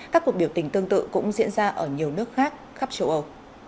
các cuộc biểu tình tương tự cũng diễn ra ở nhiều nước khác khắp châu âu